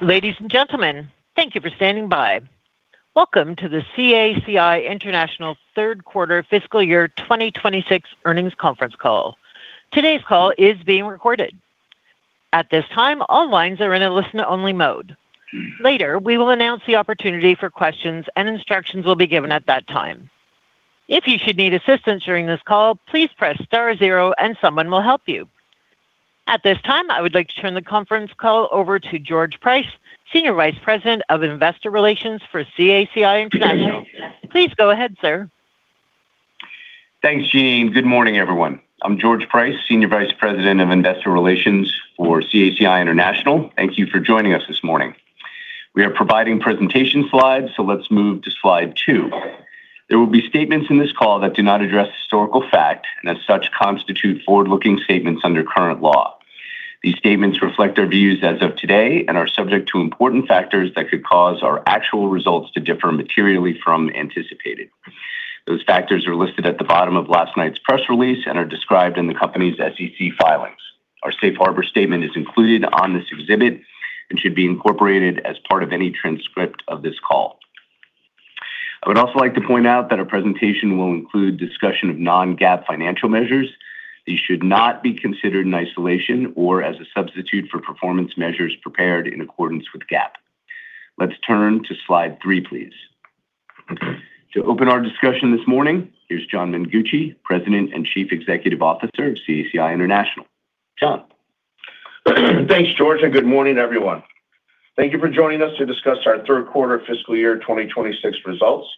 Ladies and gentlemen, thank you for standing by. Welcome to the CACI International third quarter fiscal year 2026 earnings conference call. Today's call is being recorded. At this time, all lines are in a listen only mode. Later, we will announce the opportunity for questions, and instructions will be given at that time. If you should need assistance during this call, please press star zero and someone will help you. At this time, I would like to turn the conference call over to George Price, Senior Vice President of Investor Relations for CACI International. Please go ahead, sir. Thanks, Jeanine. Good morning, everyone. I'm George Price, Senior Vice President of Investor Relations for CACI International. Thank you for joining us this morning. We are providing presentation slides, so let's move to slide two. There will be statements in this call that do not address historical fact, and as such, constitute forward-looking statements under current law. These statements reflect our views as of today and are subject to important factors that could cause our actual results to differ materially from anticipated. Those factors are listed at the bottom of last night's press release and are described in the company's SEC filings. Our Safe Harbor statement is included on this exhibit and should be incorporated as part of any transcript of this call. I would also like to point out that our presentation will include discussion of non-GAAP financial measures. These should not be considered in isolation or as a substitute for performance measures prepared in accordance with GAAP. Let's turn to slide three, please. To open our discussion this morning is John Mengucci, President and Chief Executive Officer of CACI International. John. Thanks, George, and good morning, everyone. Thank you for joining us to discuss our third quarter fiscal year 2026 results,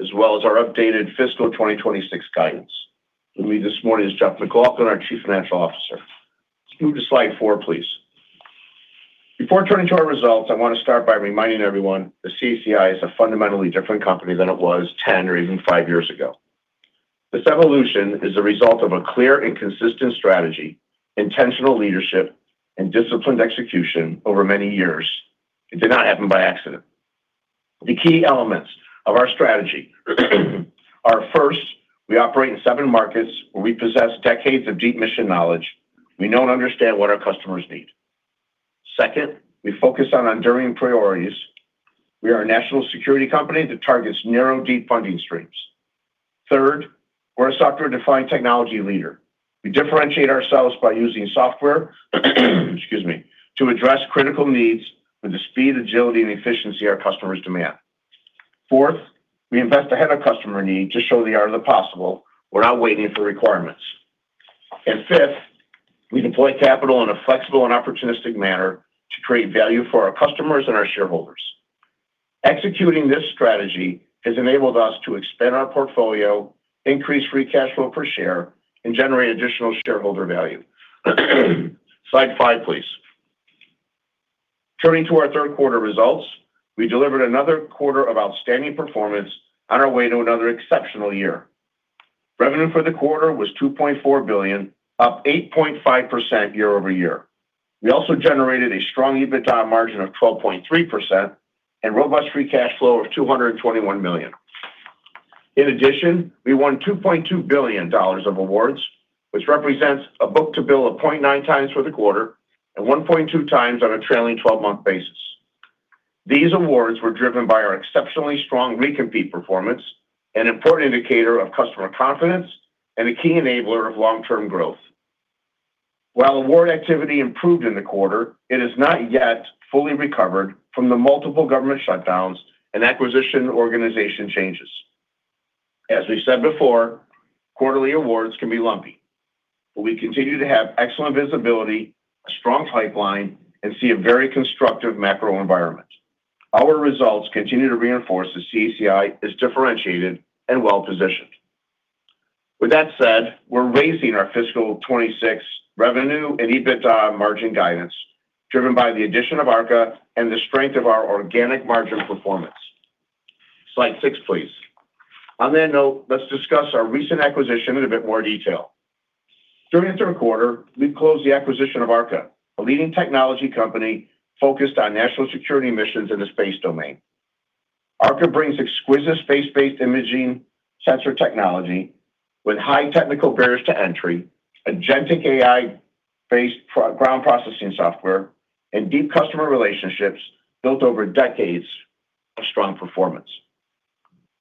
as well as our updated fiscal 2026 guidance. With me this morning is Jeff MacLauchlan, our Chief Financial Officer. Move to slide four, please. Before turning to our results, I want to start by reminding everyone that CACI is a fundamentally different company than it was 10 or even five years ago. This evolution is the result of a clear and consistent strategy, intentional leadership, and disciplined execution over many years. It did not happen by accident. The key elements of our strategy are, first, we operate in seven markets where we possess decades of deep mission knowledge. We know and understand what our customers need. Second, we focus on enduring priorities. We are a national security company that targets narrow, deep funding streams. Third, we're a software-defined technology leader. We differentiate ourselves by using software, excuse me, to address critical needs with the speed, agility, and efficiency our customers demand. Fourth, we invest ahead of customer need to show the art of the possible. We're not waiting for requirements. Fifth, we deploy capital in a flexible and opportunistic manner to create value for our customers and our shareholders. Executing this strategy has enabled us to expand our portfolio, increase free cash flow per share, and generate additional shareholder value. Slide five, please. Turning to our third quarter results, we delivered another quarter of outstanding performance on our way to another exceptional year. Revenue for the quarter was $2.4 billion, up 8.5% year-over-year. We also generated a strong EBITDA margin of 12.3% and robust free cash flow of $221 million. In addition, we won $2.2 billion of awards, which represents a book-to-bill of 0.9x for the quarter and 1.2x on a trailing 12-month basis. These awards were driven by our exceptionally strong recompete performance, an important indicator of customer confidence and a key enabler of long-term growth. While award activity improved in the quarter, it is not yet fully recovered from the multiple government shutdowns and acquisition organization changes. As we said before, quarterly awards can be lumpy, but we continue to have excellent visibility, a strong pipeline, and see a very constructive macro environment. Our results continue to reinforce that CACI is differentiated and well-positioned. With that said, we're raising our fiscal 2026 revenue and EBITDA margin guidance driven by the addition of ARKA and the strength of our organic margin performance. Slide six, please. On that note, let's discuss our recent acquisition in a bit more detail. During the third quarter, we closed the acquisition of ARKA, a leading technology company focused on national security missions in the space domain. ARKA brings exquisite space-based imaging sensor technology with high technical barriers to entry, agentic AI-based ground processing software, and deep customer relationships built over decades of strong performance.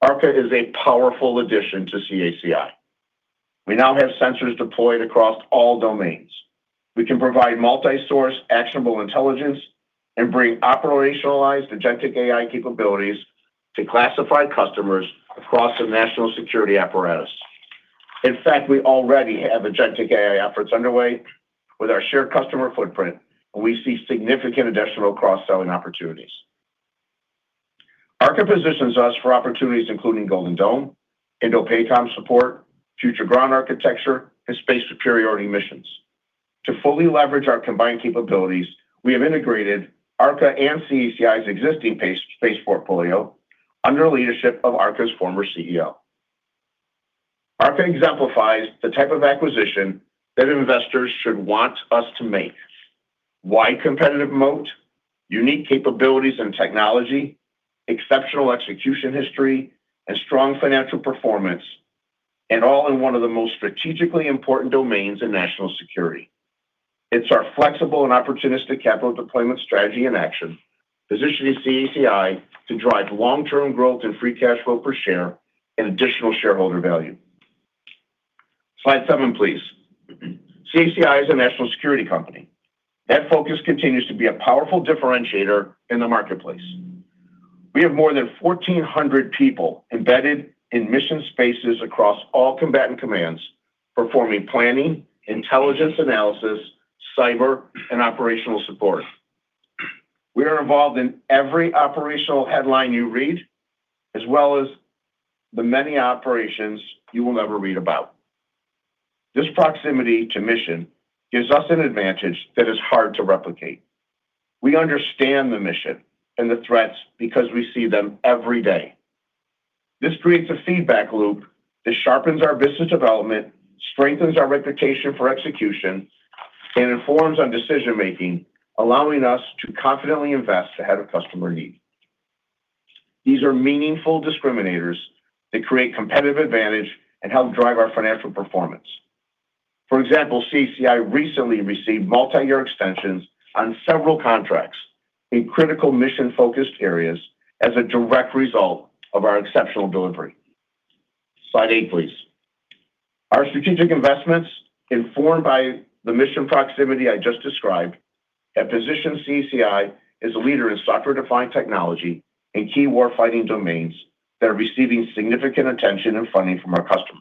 ARKA is a powerful addition to CACI. We now have sensors deployed across all domains. We can provide multi-source, actionable intelligence and bring operationalized agentic AI capabilities to classified customers across the national security apparatus. In fact, we already have agentic AI efforts underway with our shared customer footprint, and we see significant additional cross-selling opportunities. ARKA positions us for opportunities including Golden Dome, INDOPACOM support, future ground architecture, and space superiority missions. To fully leverage our combined capabilities, we have integrated ARKA and CACI's existing space portfolio under the leadership of ARKA's former CEO. ARKA exemplifies the type of acquisition that investors should want us to make. Wide competitive moat, unique capabilities and technology, exceptional execution history, and strong financial performance. All-in-one of the most strategically important domains in national security. It's our flexible and opportunistic capital deployment strategy in action, positioning CACI to drive long-term growth in free cash flow per share and additional shareholder value. Slide seven, please. CACI is a national security company. That focus continues to be a powerful differentiator in the marketplace. We have more than 1,400 people embedded in mission spaces across all combatant commands, performing planning, intelligence analysis, cyber, and operational support. We are involved in every operational headline you read, as well as the many operations you will never read about. This proximity to mission gives us an advantage that is hard to replicate. We understand the mission and the threats because we see them every day. This creates a feedback loop that sharpens our business development, strengthens our reputation for execution, and informs our decision-making, allowing us to confidently invest ahead of customer need. These are meaningful discriminators that create competitive advantage and help drive our financial performance. For example, CACI recently received multi-year extensions on several contracts in critical mission-focused areas as a direct result of our exceptional delivery. Slide eight, please. Our strategic investments, informed by the mission proximity I just described, that position CACI as a leader in software-defined technology in key warfighting domains that are receiving significant attention and funding from our customers.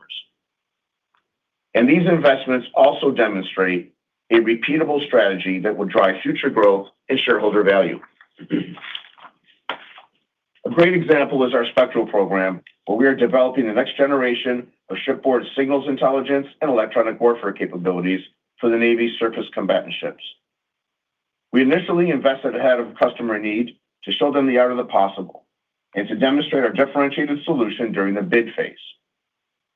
These investments also demonstrate a repeatable strategy that will drive future growth and shareholder value. A great example is our Spectral program, where we are developing the next generation of shipboard signals intelligence and electronic warfare capabilities for the Navy surface combatant ships. We initially invested ahead of customer need to show them the art of the possible and to demonstrate our differentiated solution during the bid phase.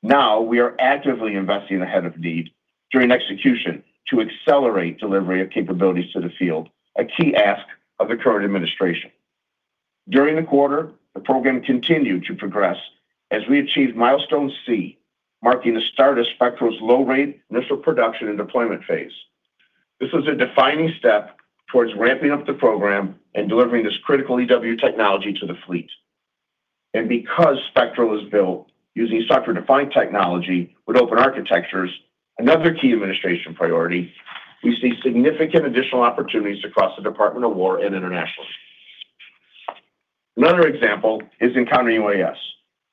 Now we are actively investing ahead of need during execution to accelerate delivery of capabilities to the field, a key ask of the current administration. During the quarter, the program continued to progress as we achieved Milestone C, marking the start of Spectral's low-rate initial production and deployment phase. This was a defining step towards ramping up the program and delivering this critical EW technology to the fleet. Because Spectral was built using software-defined technology with open architectures, another key administration priority, we see significant additional opportunities across the Department of War and internationally. Another example is in Counter-UAS, where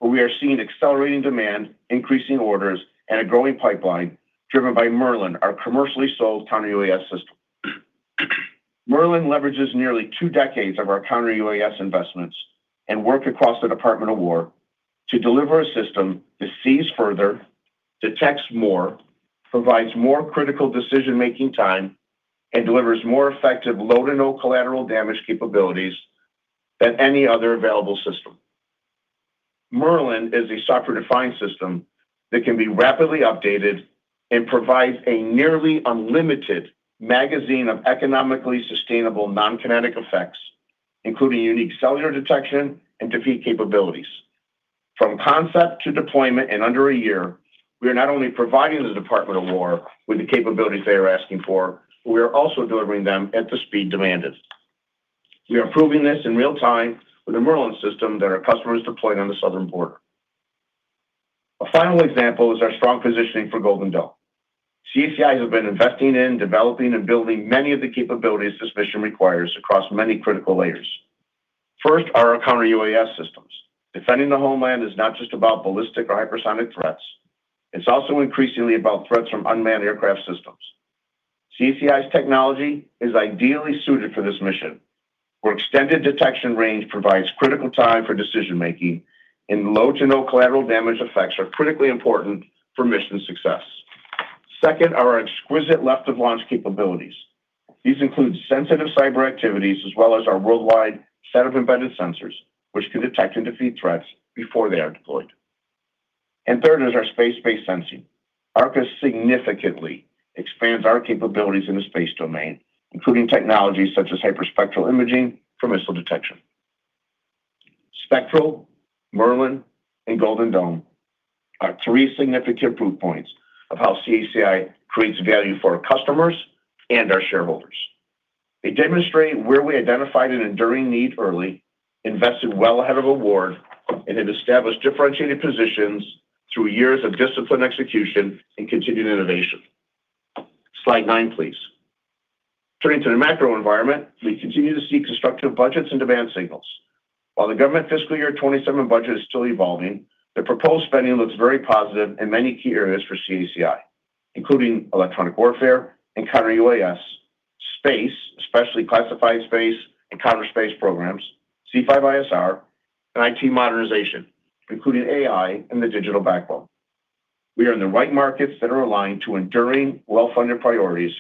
we are seeing accelerating demand, increasing orders, and a growing pipeline driven by Merlin, our commercially sold Counter-UAS system. Merlin leverages nearly two decades of our Counter-UAS investments and work across the Department of War to deliver a system that sees further, detects more, provides more critical decision-making time, and delivers more effective low to no collateral damage capabilities than any other available system. Merlin is a software-defined system that can be rapidly updated and provides a nearly unlimited magazine of economically sustainable non-kinetic effects, including unique cellular detection and defeat capabilities. From concept to deployment in under a year, we are not only providing the Department of War with the capabilities they are asking for, but we are also delivering them at the speed demanded. We are proving this in real time with a Merlin system that our customers deployed on the southern border. A final example is our strong positioning for Golden Dome. CACI's have been investing in, developing, and building many of the capabilities this mission requires across many critical layers. First, our Counter-UAS systems. Defending the homeland is not just about ballistic or hypersonic threats. It's also increasingly about threats from unmanned aircraft systems. CACI's technology is ideally suited for this mission, where extended detection range provides critical time for decision-making, and low to no collateral damage effects are critically important for mission success. Second are our exquisite left-of-launch capabilities. These include sensitive cyber activities as well as our worldwide set of embedded sensors, which can detect and defeat threats before they are deployed. Third is our space-based sensing. ARKA significantly expands our capabilities in the space domain, including technologies such as hyperspectral imaging for missile detection. Spectral, Merlin, and Golden Dome are three significant proof points of how CACI creates value for our customers and our shareholders. They demonstrate where we identified an enduring need early, invested well ahead of award, and have established differentiated positions through years of disciplined execution and continued innovation. Slide nine, please. Turning to the macro environment, we continue to see constructive budgets and demand signals. While the government fiscal year 2027 budget is still evolving, the proposed spending looks very positive in many key areas for CACI, including electronic warfare and Counter-UAS, space, especially classified space and counterspace programs, C5ISR, and IT modernization, including AI and the digital backbone. We are in the right markets that are aligned to enduring, well-funded priorities,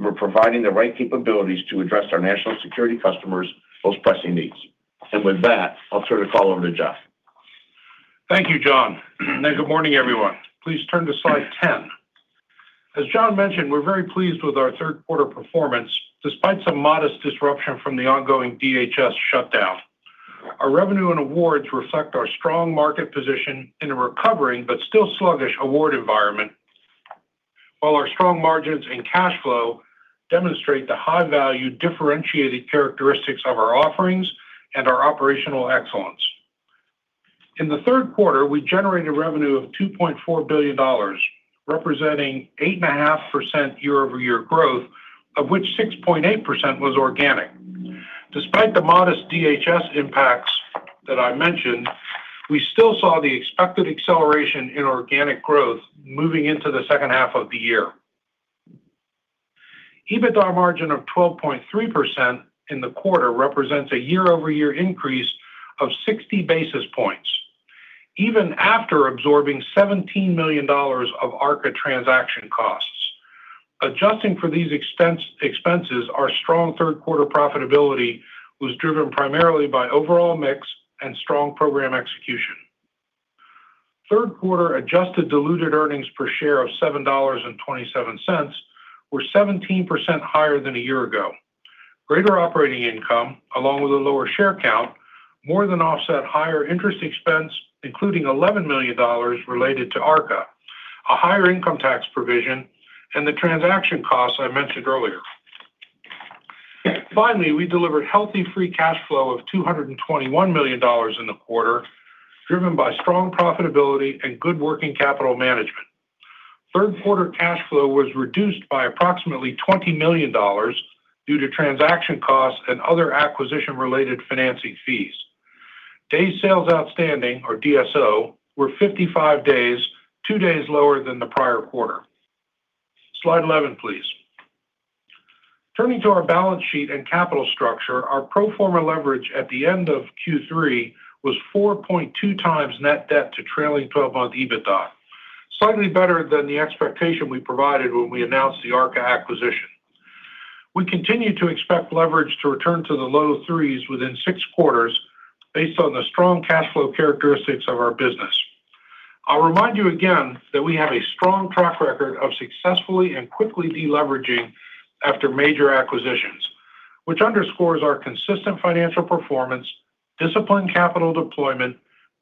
and we're providing the right capabilities to address our national security customers' most pressing needs. With that, I'll turn the call over to Jeff. Thank you, John. Good morning, everyone. Please turn to slide 10. As John mentioned, we're very pleased with our third quarter performance, despite some modest disruption from the ongoing DHS shutdown. Our revenue and awards reflect our strong market position in a recovering but still sluggish award environment. While our strong margins and cash flow demonstrate the high-value differentiated characteristics of our offerings and our operational excellence. In the third quarter, we generated revenue of $2.4 billion, representing 8.5% year-over-year growth, of which 6.8% was organic. Despite the modest DHS impacts that I mentioned, we still saw the expected acceleration in organic growth moving into the second half of the year. EBITDA margin of 12.3% in the quarter represents a year-over-year increase of 60 basis points, even after absorbing $17 million of ARKA transaction costs. Adjusting for these expenses, our strong third quarter profitability was driven primarily by overall mix and strong program execution. Third quarter adjusted diluted earnings per share of $7.27 were 17% higher than a year ago. Greater operating income, along with a lower share count, more than offset higher interest expense, including $11 million related to ARKA, a higher income tax provision, and the transaction costs I mentioned earlier. Finally, we delivered healthy free cash flow of $221 million in the quarter, driven by strong profitability and good working capital management. Third quarter cash flow was reduced by approximately $20 million due to transaction costs and other acquisition-related financing fees. Days sales outstanding, or DSO, were 55 days, two days lower than the prior quarter. Slide 11, please. Turning to our balance sheet and capital structure, our pro forma leverage at the end of Q3 was 4.2x net debt-to-trailing 12-month EBITDA, slightly better than the expectation we provided when we announced the ARKA acquisition. We continue to expect leverage to return to the low threes within six quarters based on the strong cash flow characteristics of our business. I'll remind you again that we have a strong track record of successfully and quickly de-leveraging after major acquisitions, which underscores our consistent financial performance, disciplined capital deployment,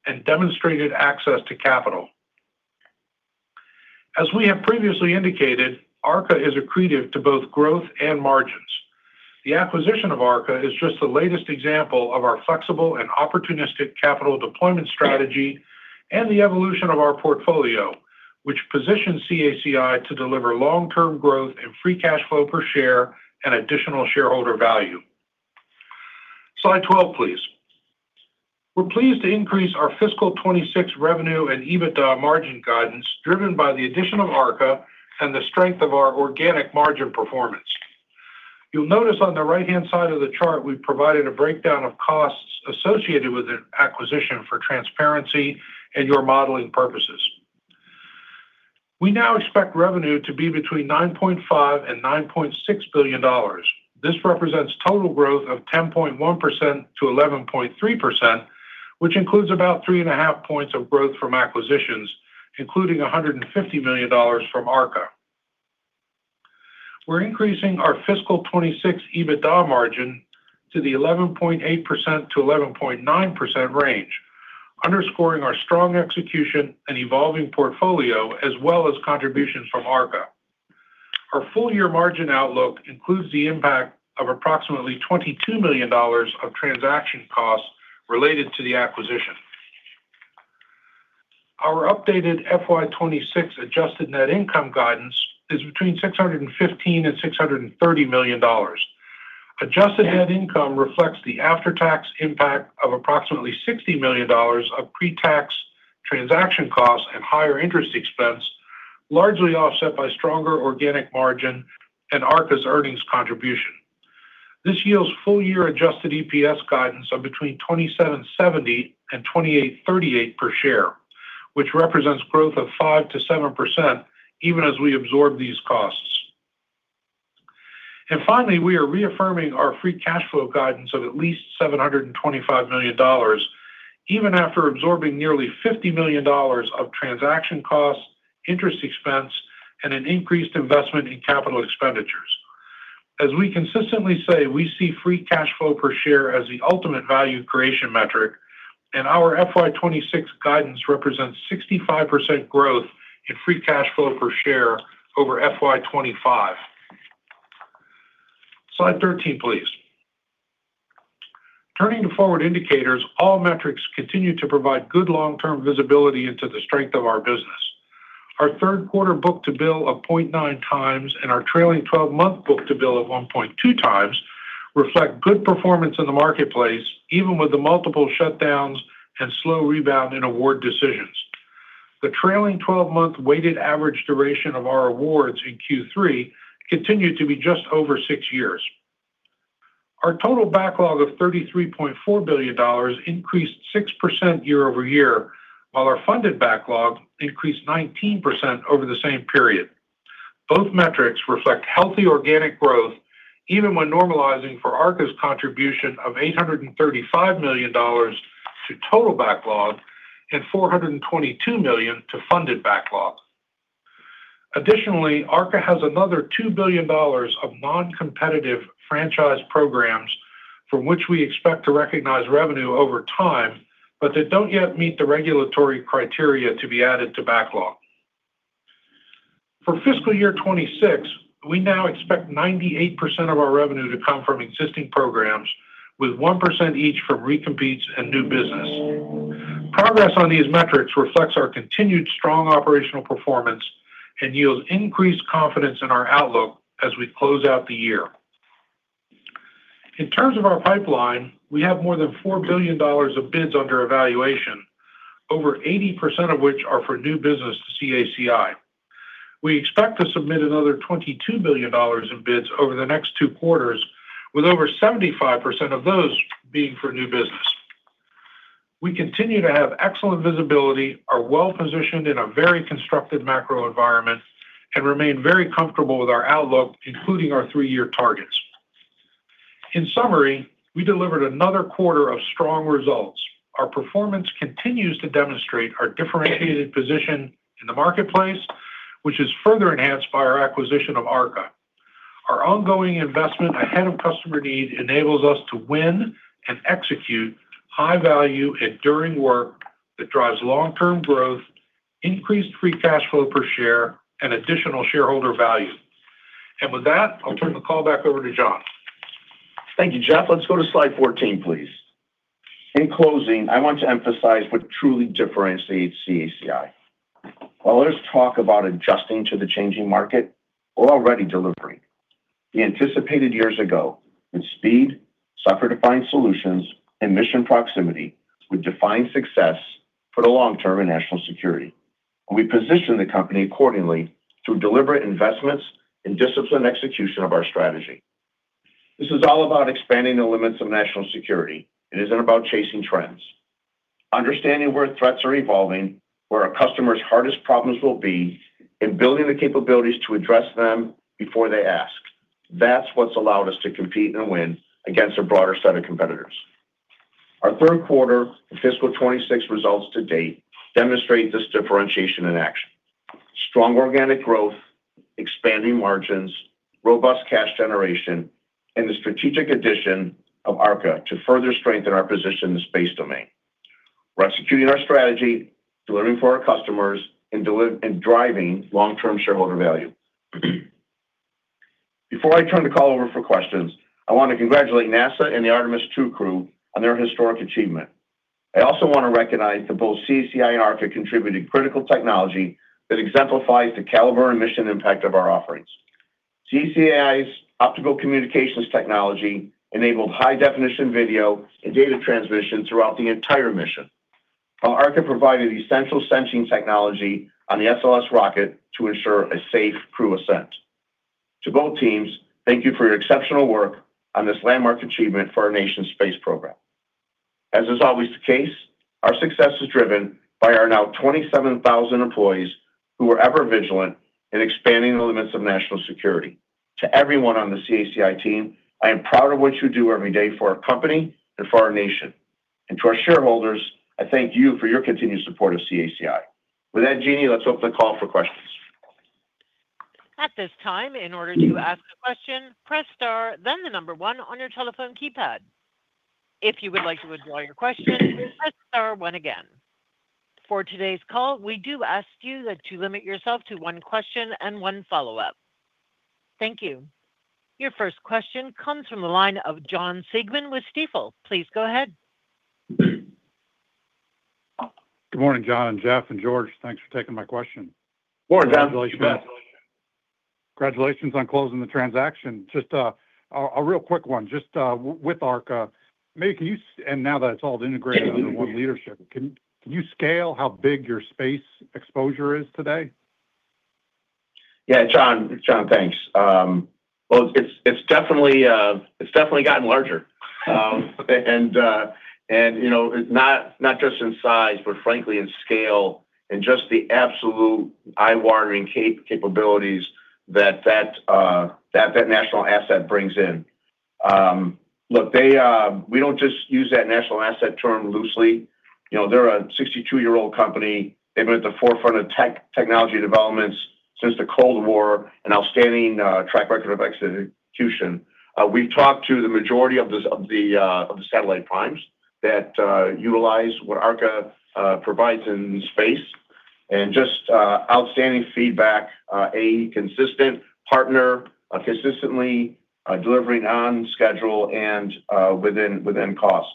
and demonstrated access to capital. As we have previously indicated, ARKA is accretive to both growth and margins. The acquisition of ARKA is just the latest example of our flexible and opportunistic capital deployment strategy and the evolution of our portfolio, which positions CACI to deliver long-term growth and free cash flow per share and additional shareholder value. Slide 12, please. We're pleased to increase our fiscal 2026 revenue and EBITDA margin guidance driven by the addition of ARKA and the strength of our organic margin performance. You'll notice on the right-hand side of the chart, we've provided a breakdown of costs associated with the acquisition for transparency and your modeling purposes. We now expect revenue to be between $9.5 billion-$9.6 billion. This represents total growth of 10.1%-11.3%, which includes about 3.5 points of growth from acquisitions, including $150 million from ARKA. We're increasing our fiscal 2026 EBITDA margin to the 11.8%-11.9% range, underscoring our strong execution and evolving portfolio as well as contributions from ARKA. Our full year margin outlook includes the impact of approximately $22 million of transaction costs related to the acquisition. Our updated FY 2026 adjusted net income guidance is between $615 million-$630 million. Adjusted net income reflects the after-tax impact of approximately $60 million of pre-tax transaction costs and higher interest expense, largely offset by stronger organic margin and ARKA's earnings contribution. This yields full year adjusted EPS guidance of between $27.70 and $28.38 per share, which represents growth of 5%-7% even as we absorb these costs. Finally, we are reaffirming our free cash flow guidance of at least $725 million, even after absorbing nearly $50 million of transaction costs, interest expense, and an increased investment in capital expenditures. As we consistently say, we see free cash flow per share as the ultimate value creation metric, and our FY 2026 guidance represents 65% growth in free cash flow per share over FY 2025. Slide 13, please. Turning to forward indicators, all metrics continue to provide good long-term visibility into the strength of our business. Our third quarter book-to-bill of 0.9x and our trailing 12-month book-to-bill of 1.2x reflect good performance in the marketplace, even with the multiple shutdowns and slow rebound in award decisions. The trailing 12-month weighted average duration of our awards in Q3 continued to be just over six years. Our total backlog of $33.4 billion increased 6% year-over-year, while our funded backlog increased 19% over the same period. Both metrics reflect healthy organic growth. Even when normalizing for ARKA's contribution of $835 million to total backlog and $422 million to funded backlog. Additionally, ARKA has another $2 billion of non-competitive franchise programs from which we expect to recognize revenue over time, but that don't yet meet the regulatory criteria to be added to backlog. For fiscal year 2026, we now expect 98% of our revenue to come from existing programs, with 1% each from recompetes and new business. Progress on these metrics reflects our continued strong operational performance and yields increased confidence in our outlook as we close out the year. In terms of our pipeline, we have more than $4 billion of bids under evaluation, over 80% of which are for new business to CACI. We expect to submit another $22 billion in bids over the next two quarters, with over 75% of those being for new business. We continue to have excellent visibility, are well-positioned in a very constructive macro environment, and remain very comfortable with our outlook, including our three-year targets. In summary, we delivered another quarter of strong results. Our performance continues to demonstrate our differentiated position in the marketplace, which is further enhanced by our acquisition of ARKA. Our ongoing investment ahead of customer need enables us to win and execute high value, enduring work that drives long-term growth, increased free cash flow per share, and additional shareholder value. With that, I'll turn the call back over to John. Thank you, Jeff. Let's go to slide 14, please. In closing, I want to emphasize what truly differentiates CACI. While others talk about adjusting to the changing market, we're already delivering. We anticipated years ago that speed, software-defined solutions, and mission proximity would define success for the long term in national security. We positioned the company accordingly through deliberate investments and disciplined execution of our strategy. This is all about expanding the limits of national security. It isn't about chasing trends, understanding where threats are evolving, where our customers' hardest problems will be, and building the capabilities to address them before they ask. That's what's allowed us to compete and win against a broader set of competitors. Our third quarter and fiscal 2026 results to-date demonstrate this differentiation in action. Strong organic growth, expanding margins, robust cash generation, and the strategic addition of ARKA to further strengthen our position in the space domain. We're executing our strategy, delivering for our customers, and driving long-term shareholder value. Before I turn the call over for questions, I want to congratulate NASA and the Artemis II crew on their historic achievement. I also want to recognize that both CACI and ARKA contributed critical technology that exemplifies the caliber and mission impact of our offerings. CACI's optical communications technology enabled high-definition video and data transmission throughout the entire mission, while ARKA provided essential sensing technology on the SLS rocket to ensure a safe crew ascent. To both teams, thank you for your exceptional work on this landmark achievement for our nation's space program. As is always the case, our success is driven by our now 27,000 employees, who are ever vigilant in expanding the limits of national security. To everyone on the CACI team, I am proud of what you do every day for our company and for our nation. To our shareholders, I thank you for your continued support of CACI. With that, Jeannie, let's open the call for questions. At this time, in order to ask a question, press star then the number one on your telephone keypad. If you would like to withdraw your question, press star one again. For today's call, we do ask you to limit yourself to one question and one follow-up. Thank you. Your first question comes from the line of John Siegmann with Stifel. Please go ahead. Good morning, John and Jeff and George. Thanks for taking my question. Morning, John. You bet. Congratulations on closing the transaction. Just a real quick one. Just with ARKA, and now that it's all integrated under one leadership, can you scale how big your space exposure is today? Yeah. John, It's John, thanks. Well, it's definitely gotten larger. Not just in size, but frankly in scale and just the absolute eye-watering capabilities that that national asset brings in. Look, we don't just use that national asset term loosely. They're a 62-year-old company. They've been at the forefront of technology developments since the Cold War, an outstanding track record of execution. We've talked to the majority of the satellite primes that utilize what ARKA provides in space, and just outstanding feedback. A consistent partner, consistently delivering on schedule and within cost.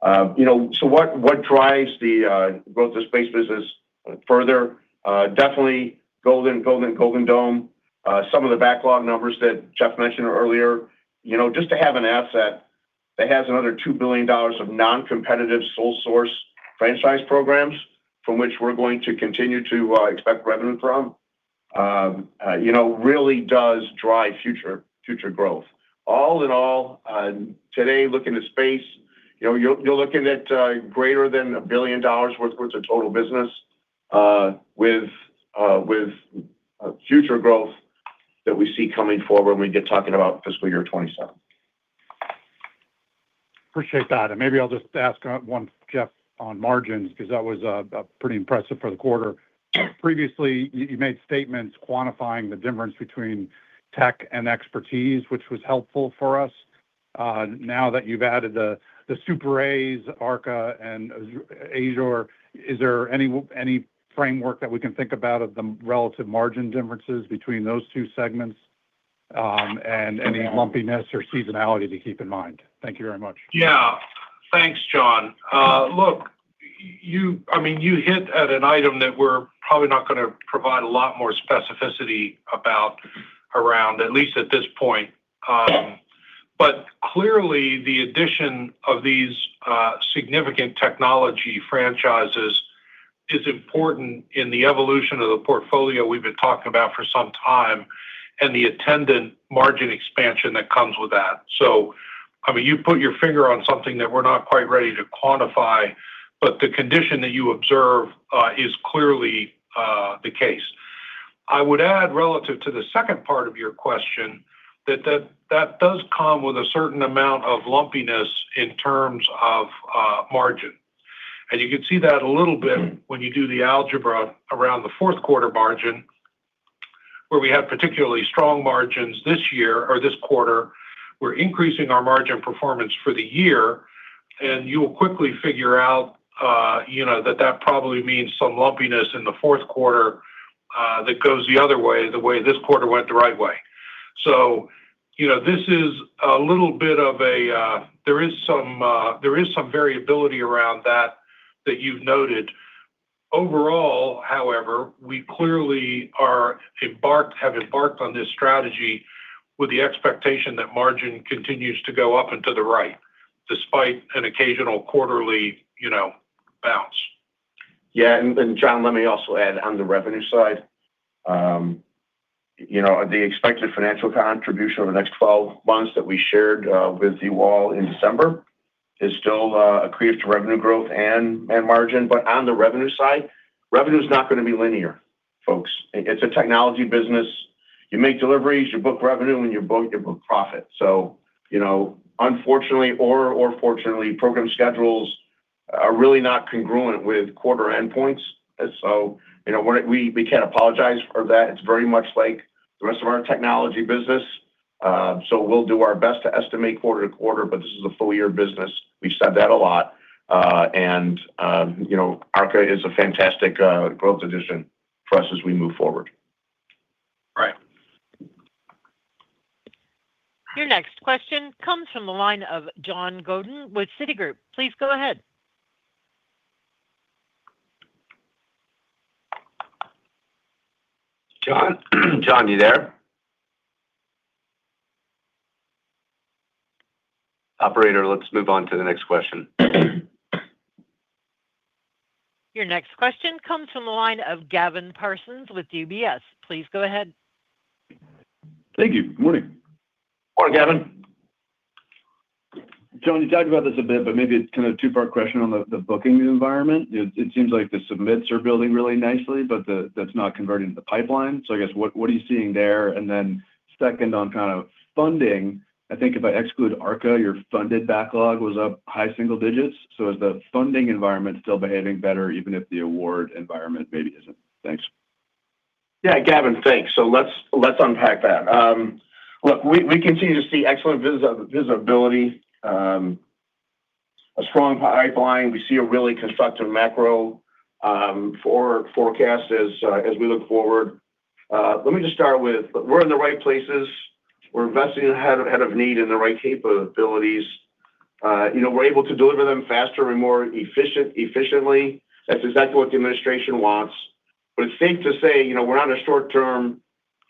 What drives the growth of space business further? Definitely Golden Dome. Some of the backlog numbers that Jeff mentioned earlier. Just to have an asset that has another $2 billion of non-competitive sole source franchise programs from which we're going to continue to expect revenue from, really does drive future growth. All-in-all. Today, looking at space, you're looking at greater than $1 billion worth of total business with future growth that we see coming forward when we get talking about fiscal year 2027. Appreciate that. Maybe I'll just ask one, Jeff, on margins, because that was pretty impressive for the quarter. Previously, you made statements quantifying the difference between tech and expertise, which was helpful for us. Now that you've added the C-UAS, ARKA, and A-ISR, is there any framework that we can think about of the relative margin differences between those two segments, and any lumpiness or seasonality to keep in mind? Thank you very much. Yeah. Thanks, John. Look, you hit at an item that we're probably not going to provide a lot more specificity about around, at least at this point. Clearly the addition of these significant technology franchises is important in the evolution of the portfolio we've been talking about for some time, and the attendant margin expansion that comes with that. You put your finger on something that we're not quite ready to quantify, but the condition that you observe is clearly the case. I would add, relative to the second part of your question, that that does come with a certain amount of lumpiness in terms of margin. You can see that a little bit when you do the algebra around the fourth quarter margin, where we have particularly strong margins this year or this quarter. We're increasing our margin performance for the year, and you will quickly figure out that probably means some lumpiness in the fourth quarter that goes the other way, the way this quarter went the right way. There is some variability around that you've noted. Overall, however, we clearly have embarked on this strategy with the expectation that margin continues to go up and to the right, despite an occasional quarterly bounce. Yeah. John, let me also add on the revenue side. The expected financial contribution over the next 12 months that we shared with you all in December is still accretive to revenue growth and margin. On the revenue side, revenue's not going to be linear, folks. It's a technology business. You make deliveries, you book revenue, and you book profit. Unfortunately or fortunately, program schedules are really not congruent with quarter endpoints. We can't apologize for that. It's very much like the rest of our technology business. We'll do our best to estimate quarter to quarter, but this is a full-year business. We've said that a lot. ARKA is a fantastic growth addition for us as we move forward. Right. Your next question comes from the line of John Godin with Citigroup. Please go ahead. John? John, you there? Operator, let's move on to the next question. Your next question comes from the line of Gavin Parsons with UBS. Please go ahead. Thank you. Morning. Morning, Gavin. John, you talked about this a bit, but maybe it's kind of a two-part question on the booking environment. It seems like the submits are building really nicely, but that's not converting to the pipeline. I guess, what are you seeing there? Then second on kind of funding, I think if I exclude ARKA, your funded backlog was up high single digits. Is the funding environment still behaving better even if the award environment maybe isn't? Thanks. Yeah. Gavin, thanks. Let's unpack that. Look, we continue to see excellent visibility, a strong pipeline. We see a really constructive macro forecast as we look forward. Let me just start with, we're in the right places. We're investing ahead of need in the right capabilities. We're able to deliver them faster and more efficiently. That's exactly what the administration wants. It's safe to say we're not a short-term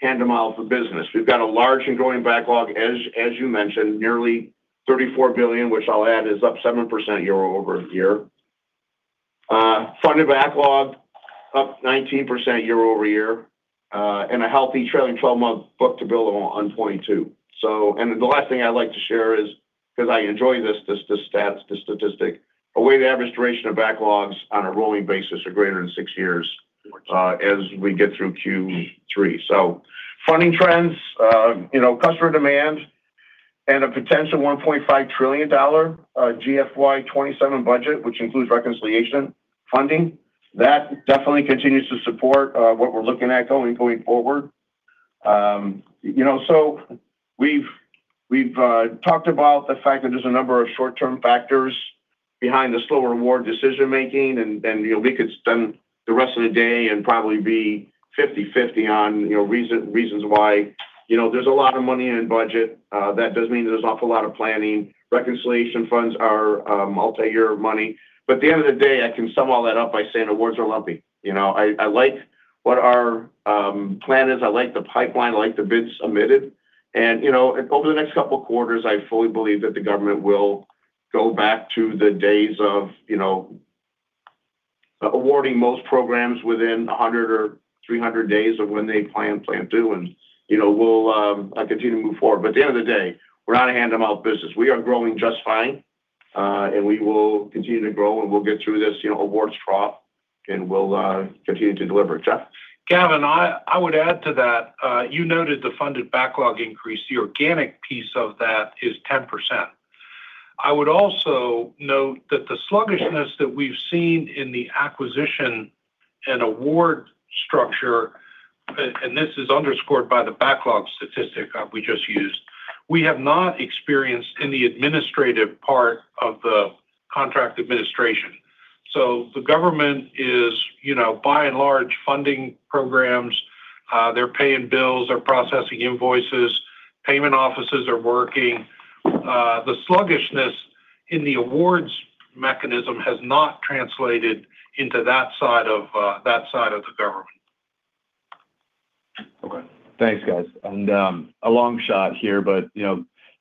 hand-to-mouth business. We've got a large and growing backlog, as you mentioned, nearly $34 billion, which I'll add is up 7% year-over-year. Funded backlog up 19% year-over-year, and a healthy trailing 12-month book-to-bill of 2.2x. The last thing I'd like to share is, because I enjoy this statistic, a weighted average duration of backlogs on a rolling basis of greater than six years as we get through Q3. Funding trends, customer demand and a potential $1.5 trillion GFY 2027 budget, which includes reconciliation funding, that definitely continues to support what we're looking at going forward. We've talked about the fact that there's a number of short-term factors behind the slower award decision-making, and we could spend the rest of the day and probably be 50/50 on reasons why. There's a lot of money in budget. That does mean there's an awful lot of planning. Reconciliation funds are multi-year money. At the end of the day, I can sum all that up by saying awards are lumpy. I like what our plan is. I like the pipeline. I like the bids submitted. Over the next couple of quarters, I fully believe that the government will go back to the days of awarding most programs within 100 or 300 days of when they plan to. We'll continue to move forward. At the end of the day, we're not a hand-to-mouth business. We are growing just fine, and we will continue to grow, and we'll get through this awards trough, and we'll continue to deliver. Jeff? Gavin, I would add to that. You noted the funded backlog increase. The organic piece of that is 10%. I would also note that the sluggishness that we've seen in the acquisition and award structure, and this is underscored by the backlog statistic we just used, we have not experienced any administrative part of the contract administration. The government is, by and large, funding programs. They're paying bills. They're processing invoices. Payment offices are working. The sluggishness in the awards mechanism has not translated into that side of the government. Okay. Thanks, guys. A long shot here, but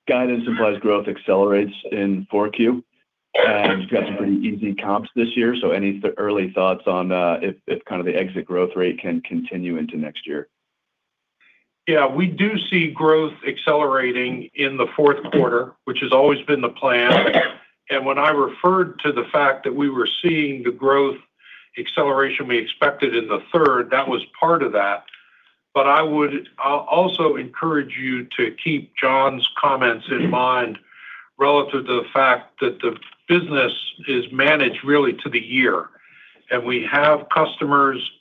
guidance implies growth accelerates in 4Q. You've got some pretty easy comps this year, so any early thoughts on if the exit growth rate can continue into next year? Yeah. We do see growth accelerating in the fourth quarter, which has always been the plan. When I referred to the fact that we were seeing the growth acceleration we expected in the third, that was part of that. I would also encourage you to keep John's comments in mind relative to the fact that the business is managed, really, to the year. We have customers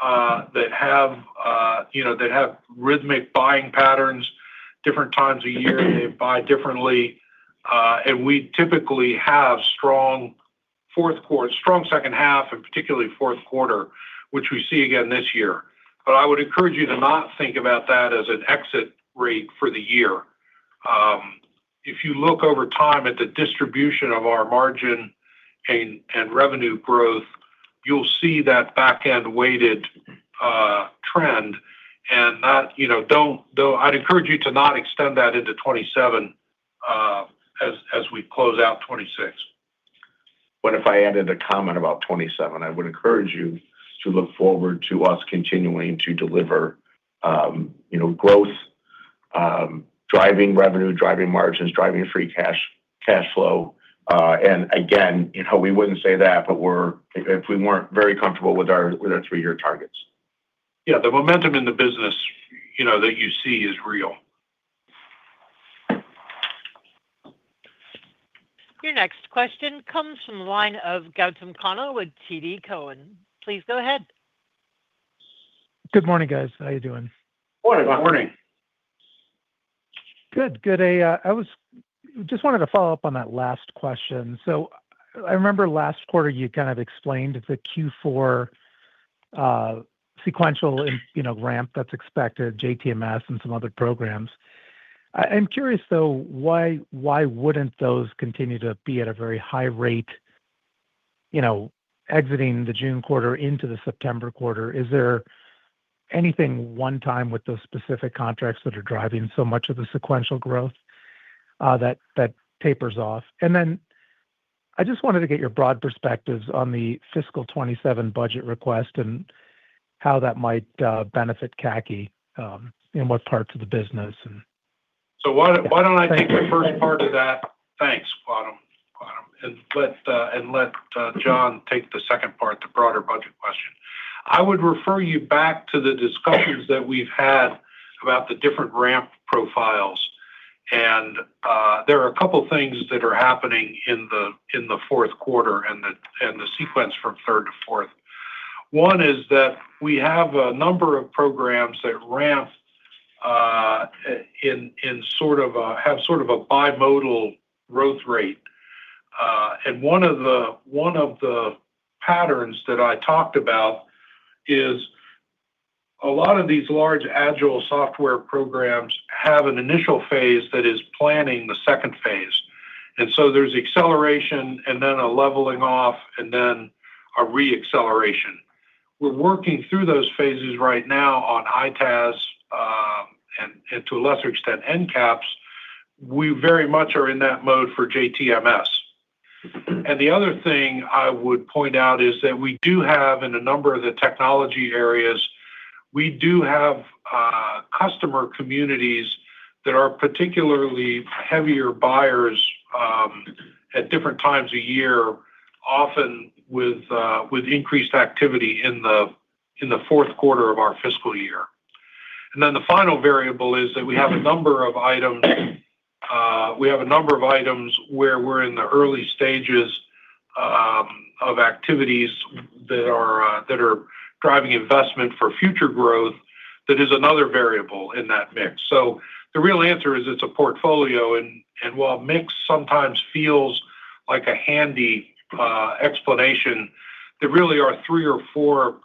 that have rhythmic buying patterns. Different times a year, they buy differently. We typically have strong second half and particularly fourth quarter, which we see again this year. I would encourage you to not think about that as an exit rate for the year. If you look over time at the distribution of our margin and revenue growth, you'll see that back-end-weighted trend, and I'd encourage you to not extend that into 2027 as we close out 2026. What if I added a comment about 2027? I would encourage you to look forward to us continuing to deliver growth, driving revenue, driving margins, driving free cash flow. Again, we wouldn't say that if we weren't very comfortable with our three-year targets. Yeah. The momentum in the business that you see is real. Your next question comes from the line of Gautam Khanna with TD Cowen. Please go ahead. Good morning, guys. How are you doing? Morning. Morning. Good. I just wanted to follow up on that last question. I remember last quarter you kind of explained the Q4 sequential ramp that's expected, JTMS and some other programs. I'm curious, though, why wouldn't those continue to be at a very high rate exiting the June quarter into the September quarter? Is there anything one-time with those specific contracts that are driving so much of the sequential growth that tapers off? I just wanted to get your broad perspectives on the fiscal 2027 budget request and how that might benefit CACI, and what parts of the business. Why don't I take the first part of that. Thanks, Gautam, and let John take the second part, the broader budget question. I would refer you back to the discussions that we've had about the different ramp profiles, and there are a couple things that are happening in the fourth quarter and the sequence from third to fourth. One is that we have a number of programs that have a bimodal growth rate. One of the patterns that I talked about is a lot of these large agile software programs have an initial phase that is planning the second phase. There's acceleration and then a leveling off and then a re-acceleration. We're working through those phases right now on ITAS and to a lesser extent, NCAPS. We very much are in that mode for JTMS. The other thing I would point out is that we do have, in a number of the technology areas, customer communities that are particularly heavier buyers at different times of year, often with increased activity in the fourth quarter of our fiscal year. The final variable is that we have a number of items where we're in the early stages of activities that are driving investment for future growth. That is another variable in that mix. The real answer is it's a portfolio, and while mix sometimes feels like a handy explanation, there really are three or four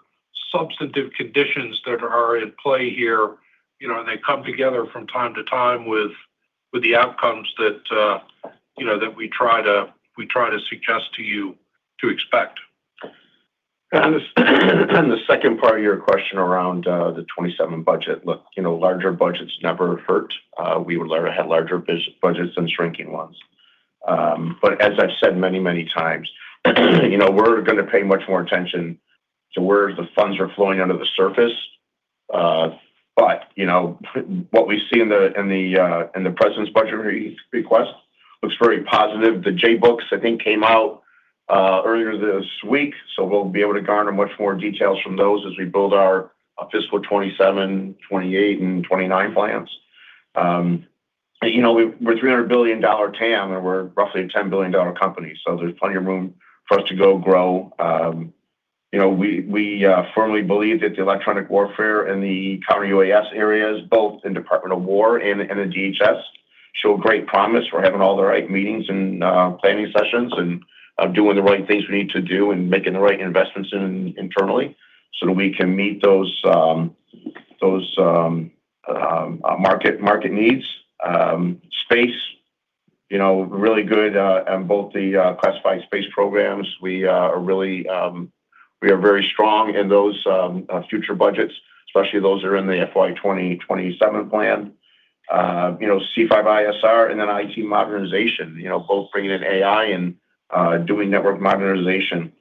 substantive conditions that are at play here, and they come together from time to time with the outcomes that we try to suggest to you to expect. The second part of your question around the 2027 budget. Look, larger budgets never hurt. We would rather have larger budgets than shrinking ones. As I've said many times, we're going to pay much more attention to where the funds are flowing under the surface. What we see in the President's budgetary request looks very positive. The J-Books, I think, came out earlier this week, so we'll be able to garner much more details from those as we build our fiscal 2027, 2028, and 2029 plans. We're a $300 billion TAM, and we're roughly a $10 billion company, so there's plenty of room for us to go grow. We firmly believe that the electronic warfare in the Counter-UAS areas, both in Department of War and in the DHS, show great promise. We're having all the right meetings and planning sessions, and doing the right things we need to do, and making the right investments internally so that we can meet those market needs. Space, really good on both the classified space programs. We are very strong in those future budgets, especially those that are in the FY 2027 plan. C5ISR and then IT modernization, both bringing in AI and doing network modernization.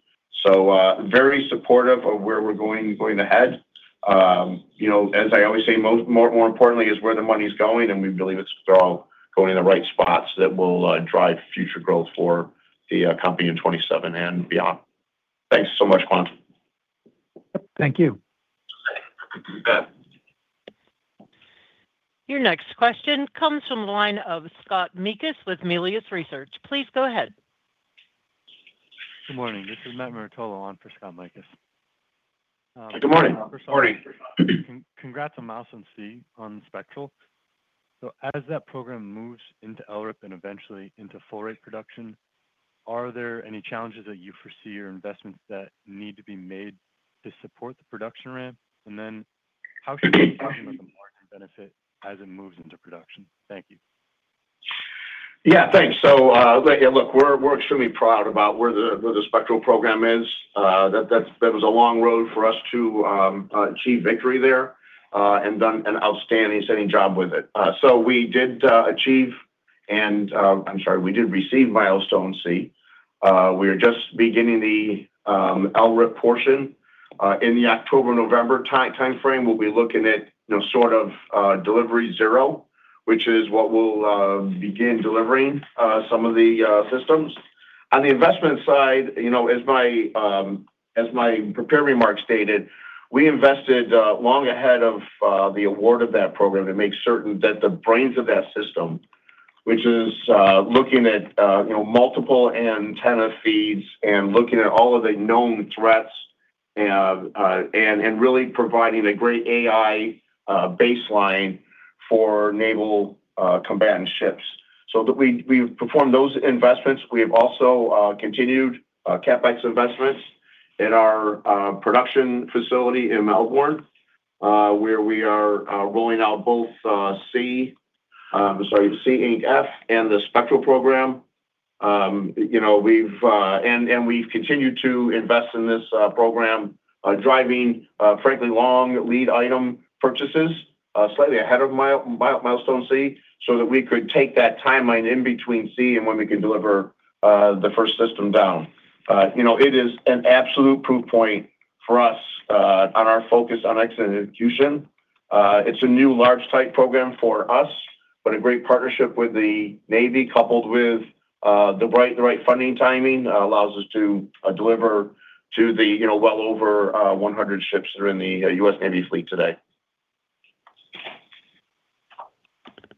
Very supportive of where we're going ahead. As I always say, more importantly is where the money's going, and we believe it's going in the right spots that will drive future growth for the company in 2027 and beyond. Thanks so much, Gautam Thank you. You bet. Your next question comes from the line of Scott Mikus with Melius Research. Please go ahead. Good morning. This is Matt Marottolo on for Scott Mikus. Good morning. First off. Morning. Congrats on Milestone C on Spectral. As that program moves into LRIP and eventually into full rate production, are there any challenges that you foresee or investments that need to be made to support the production ramp? How should we think about the margin benefit as it moves into production? Thank you. Yeah, thanks. Look, we're extremely proud about where the Spectral program is. That was a long road for us to achieve victory there, and we've done an outstanding job with it. We did receive Milestone C. We are just beginning the LRIP portion. In the October-November timeframe, we'll be looking at sort of delivery zero, which is what we'll begin delivering some of the systems. On the investment side, as my prepared remarks stated, we invested long ahead of the award of that program to make certain that the brains of that system, which is looking at multiple antenna feeds and looking at all of the known threats, and really providing a great AI baseline for naval combatant ships. We've performed those investments. We've also continued CapEx investments at our production facility in Melbourne, where we are rolling out both [C8F] and the Spectral program. We've continued to invest in this program, driving frankly long lead item purchases slightly ahead of Milestone C, so that we could take that timeline in between C and when we can deliver the first system down. It is an absolute proof point for us on our focus on excellence and execution. It's a new large type program for us, but a great partnership with the Navy coupled with the right funding timing allows us to deliver to well over 100 ships that are in the U.S. Navy fleet today.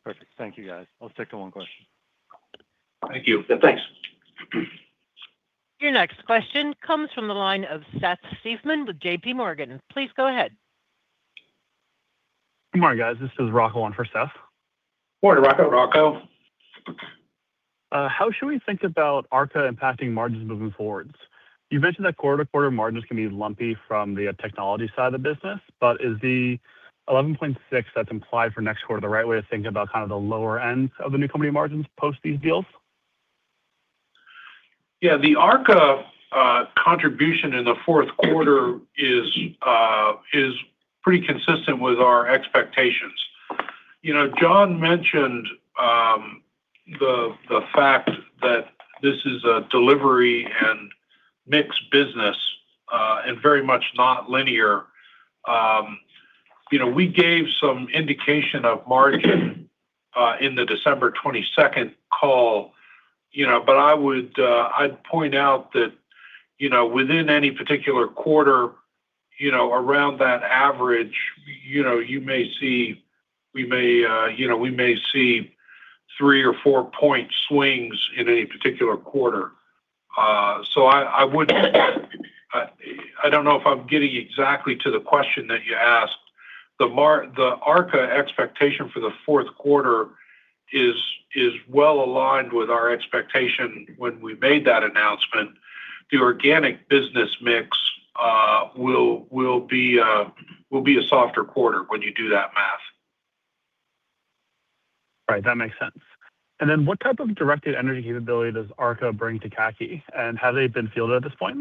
Perfect. Thank you, guys. I'll stick to one question. Thank you, and thanks. Your next question comes from the line of Seth Seifman with JPMorgan. Please go ahead. Good morning, guys. This is Rocco on for Seth. Morning, Rocco. Rocco. How should we think about ARKA impacting margins moving forward? You mentioned that quarter-to-quarter margins can be lumpy from the technology side of the business, but is the 11.6% that's implied for next quarter the right way to think about the lower end of the new company margins post these deals? Yeah. The ARKA contribution in the fourth quarter is pretty consistent with our expectations. John mentioned the fact that this is a delivery and mixed business, and very much not linear. We gave some indication of margin in the December 22nd call, but I'd point out that within any particular quarter around that average, we may see three or four point swings in any particular quarter. I don't know if I'm getting exactly to the question that you asked. The ARKA expectation for the fourth quarter is well-aligned with our expectation when we made that announcement. The organic business mix will be a softer quarter when you do that math. Right. That makes sense. What type of directed energy capability does ARKA bring to CACI, and have they been fielded at this point?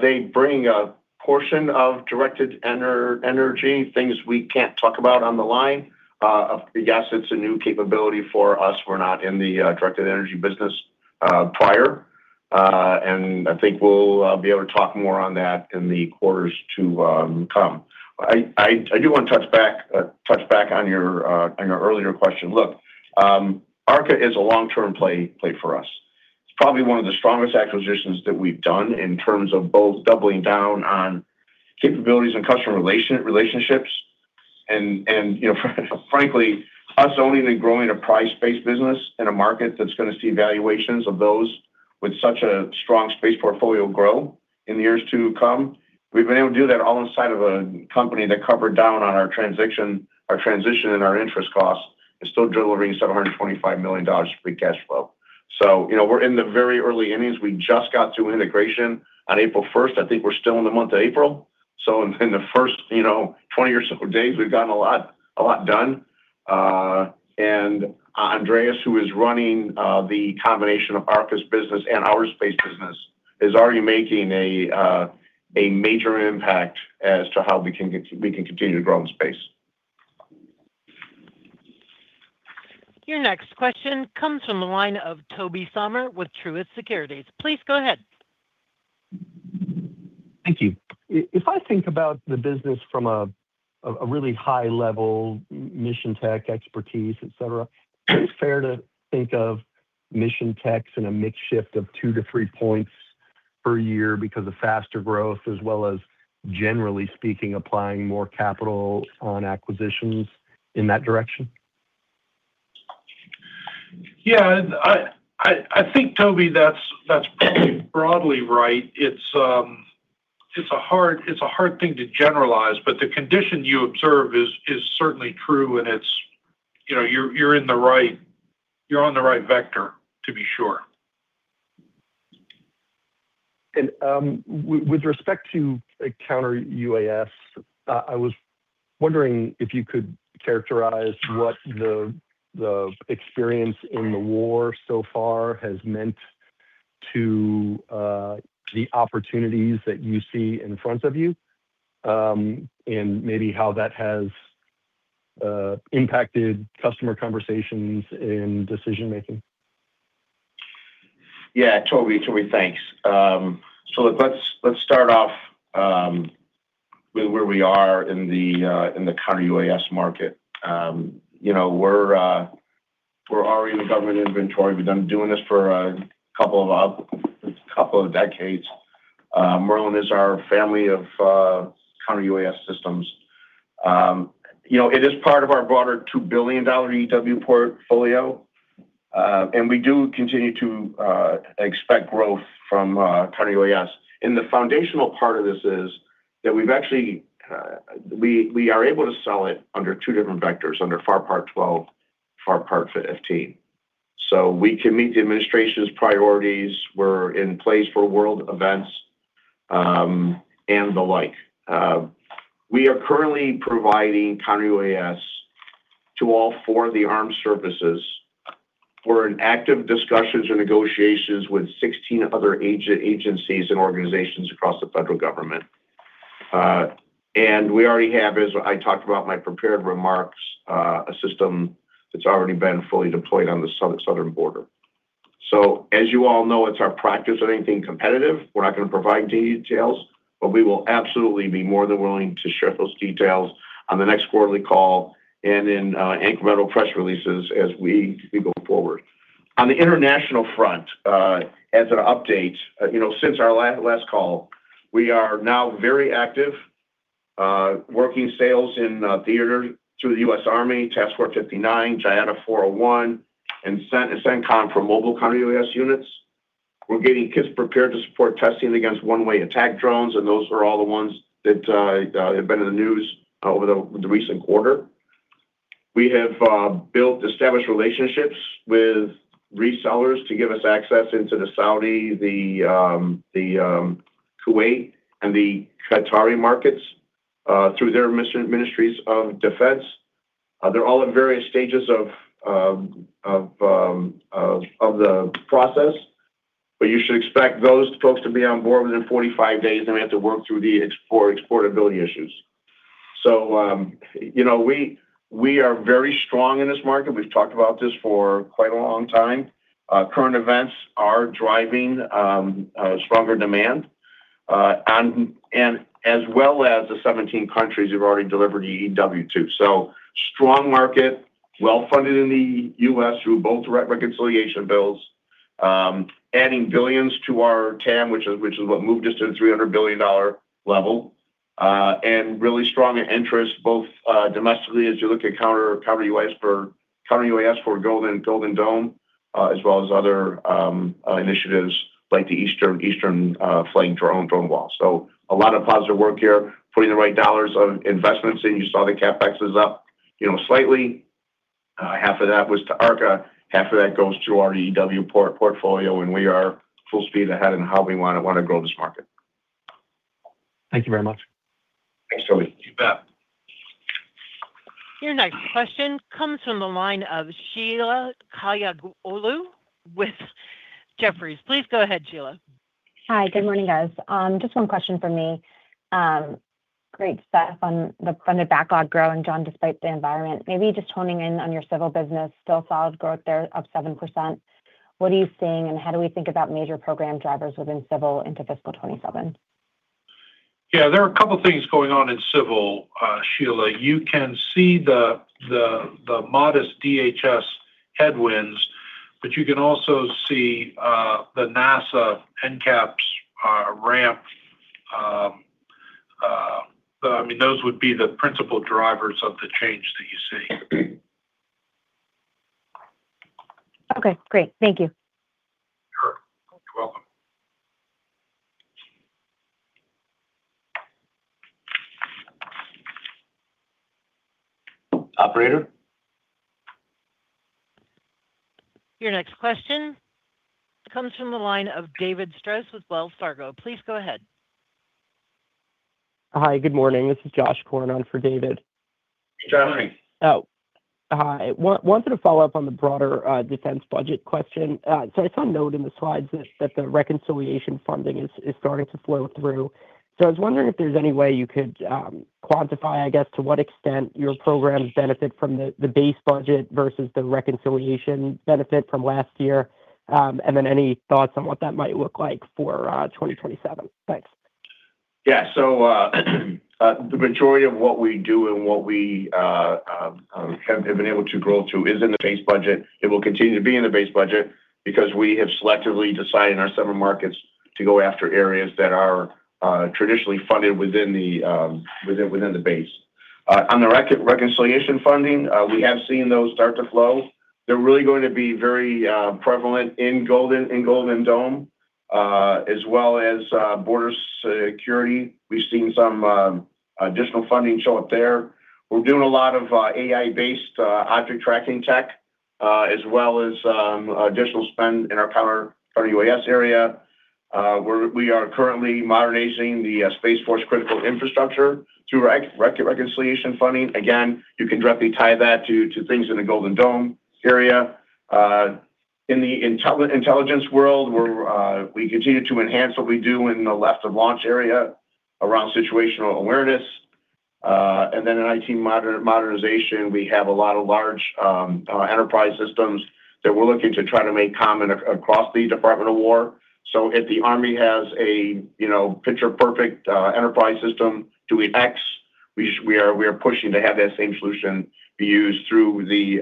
They bring a portion of directed energy, things we can't talk about on the line. Yes, it's a new capability for us. We're not in the directed energy business prior. I think we'll be able to talk more on that in the quarters to come. I do want to touch back on your earlier question. Look, ARKA is a long-term play for us. It's probably one of the strongest acquisitions that we've done in terms of both doubling down on capabilities and customer relationships. Frankly, us owning and growing a price-based business in a market that's going to see valuations of those with such a strong space portfolio grow in the years to come. We've been able to do that all inside of a company that covered down on our transition and our interest costs, and still delivering $725 million free cash flow. We're in the very early innings. We just got through integration on April 1st. I think we're still in the month of April. In the first 20 or so days, we've gotten a lot done. Andreas, who is running the combination of ARKA's business and our space business, is already making a major impact as to how we can continue to grow in the space. Your next question comes from the line of Tobey Sommer with Truist Securities. Please go ahead. Thank you. If I think about the business from a really high level, mission tech expertise, et cetera, is it fair to think of mission tech in a mix shift of 2-3 points per year because of faster growth, as well as, generally speaking, applying more capital on acquisitions in that direction? Yeah. I think, Tobey, that's broadly right. It's a hard thing to generalize, but the condition you observe is certainly true, and you're on the right vector, to be sure. With respect to Counter-UAS, I was wondering if you could characterize what the experience in the war so far has meant to the opportunities that you see in front of you, and maybe how that has impacted customer conversations and decision-making? Yeah. Tobey, thanks. Let's start off with where we are in the Counter-UAS market. We're already in government inventory. We've been doing this for a couple of decades. Merlin is our family of Counter-UAS systems. It is part of our broader $2 billion EW portfolio. We do continue to expect growth from Counter-UAS. The foundational part of this is that we are able to sell it under two different vectors, under FAR Part 12, FAR Part 15. We can meet the administration's priorities. We're in place for world events, and the like. We are currently providing Counter- UAS to all four of the armed services. We're in active discussions or negotiations with 16 other agencies and organizations across the federal government. We already have, as I talked about in my prepared remarks, a system that's already been fully deployed on the southern border. As you all know, it's our practice on anything competitive, we're not going to provide details, but we will absolutely be more than willing to share those details on the next quarterly call and in incremental press releases as we go forward. On the international front, as an update, since our last call, we are now very active working sales in theater through the U.S. Army, Task Force 59, JIATF 401, and CENTCOM for mobile Counter-UAS units. We're getting kits prepared to support testing against one-way attack drones, and those are all the ones that have been in the news over the recent quarter. We have built established relationships with resellers to give us access into the Saudi, the Kuwaiti, and the Qatari markets through their Ministries of Defense. They're all in various stages of the process. You should expect those folks to be on board within 45 days, then we have to work through the exportability issues. We are very strong in this market. We've talked about this for quite a long time. Current events are driving stronger demand as well as the 17 countries we've already delivered EW to. Strong market, well-funded in the U.S. through both the reconciliation bills, adding billions to our TAM, which is what moved us to the $300 billion level, and really strong interest both domestically as you look at Counter-UAS for Golden Dome, as well as other initiatives like the Eastern flying drone wall. A lot of positive work here. Putting the right dollars of investments in. You saw the CapEx is up slightly. Half of that was to ARKA. Half of that goes to our EW portfolio. We are full speed ahead in how we want to grow this market. Thank you very much. Thanks, Tobey. You bet. Your next question comes from the line of Sheila Kahyaoglu with Jefferies. Please go ahead, Sheila. Hi, good morning, guys. Just one question from me. Great stuff on the funded backlog growing, John, despite the environment. Maybe just honing in on your civil business, still solid growth there, up 7%. What are you seeing and how do we think about major program drivers within civil into fiscal 2027? Yeah, there are a couple things going on in civil, Sheila. You can see the modest DHS headwinds, but you can also see the NASA NCAPS ramp. Those would be the principal drivers of the change that you see. Okay, great. Thank you. Sure. You're welcome. Operator? Your next question comes from the line of David Strauss with Wells Fargo. Please go ahead. Hi, good morning. This is Josh on for David. Josh, how are you? Oh, hi. I wanted to follow up on the broader defense budget question. I saw a note in the slides that the reconciliation funding is starting to flow through. I was wondering if there's any way you could quantify, I guess, to what extent your programs benefit from the base budget versus the reconciliation benefit from last year, and then any thoughts on what that might look like for 2027. Thanks. Yeah. The majority of what we do and what we have been able to grow to is in the base budget. It will continue to be in the base budget because we have selectively decided in our summer markets to go after areas that are traditionally funded within the base. On the reconciliation funding, we have seen those start to flow. They're really going to be very prevalent in Golden Dome, as well as border security. We've seen some additional funding show up there. We're doing a lot of AI-based object tracking tech, as well as additional spend in our Counter-UAS area. We are currently modernizing the Space Force critical infrastructure through reconciliation funding. Again, you can directly tie that to things in the Golden Dome area. In the intelligence world, we continue to enhance what we do in the left of launch area around situational awareness. Then in IT modernization, we have a lot of large enterprise systems that we're looking to try to make common across the Department of War. If the Army has a picture-perfect enterprise system doing X, we are pushing to have that same solution be used through the